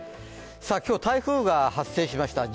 今日、台風が発生しました。